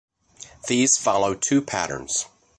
These follow two patterns.